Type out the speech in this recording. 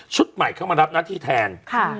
ใหม่เข้ามารับหน้าที่แทน